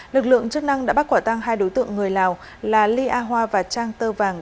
lực lượng chức năng đã bắt quả tăng hai đối tượng người lào là ly a hoa và trang tơ vàng